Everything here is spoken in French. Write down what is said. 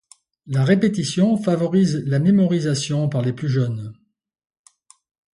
La répétition favorise la mémorisation par les plus jeunes.